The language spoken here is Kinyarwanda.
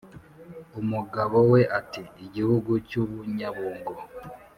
umugabo we ati"igihugu cyubunyabungo